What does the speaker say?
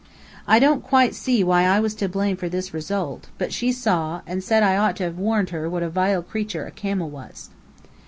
I don't quite see why I was to blame for this result, but she saw, and said I ought to have warned her what a vile creature a camel was.